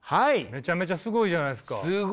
めちゃめちゃすごいじゃないですか。